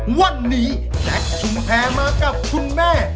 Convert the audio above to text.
วันนี้แจ็คชุมแพรมากับคุณแม่